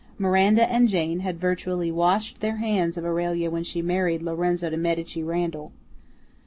Miranda and Jane had virtually washed their hands of Aurelia when she married Lorenzo de Medici Randall.